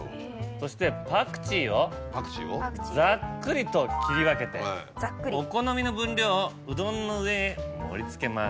そしてパクチーをざっくりと切り分けてお好みの分量をうどんの上へ盛り付けます。